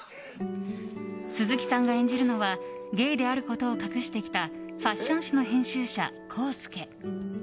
鈴木さんが演じるのはゲイであることを隠してきたファッション誌の編集者、浩輔。